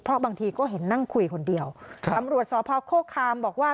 เพราะบางทีก็เห็นนั่งคุยคนเดียวค่ะอำรวจสอบภาวโค้กคามบอกว่า